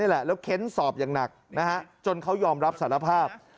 แหละแล้วเค้นสอบอย่างหนักนะฮะจนเขายอมรับสารภาพ